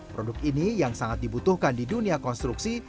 produk ini yang sangat dibutuhkan di dunia konstruksi